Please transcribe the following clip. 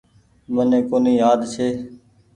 مني ڪونيٚ يآد ڇي۔